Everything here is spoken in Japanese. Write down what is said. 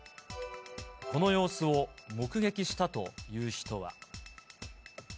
この様子を目撃したという人は。